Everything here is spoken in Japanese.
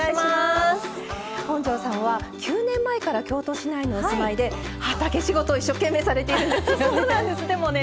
本上さんは９年前から京都市内にお住まいで畑仕事を一生懸命されているんですよね。